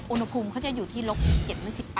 อุณทภูมิเขาจะอยู่ที่ล์ก๑๗ยง๑๘ค่ะ